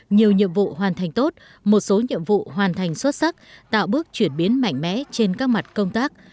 nhiều nhiệm vụ hoàn thành tốt một số nhiệm vụ hoàn thành xuất sắc tạo bước chuyển biến mạnh mẽ trên các mặt công tác